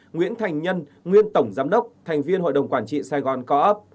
nguyễn thành nhân nguyên tổng giám đốc thành viên hội đồng quản trị sài gòn co op